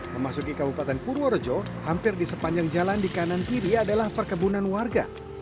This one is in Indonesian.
memasuki kabupaten purworejo hampir di sepanjang jalan di kanan kiri adalah perkebunan warga